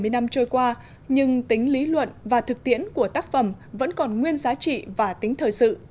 bảy mươi năm trôi qua nhưng tính lý luận và thực tiễn của tác phẩm vẫn còn nguyên giá trị và tính thời sự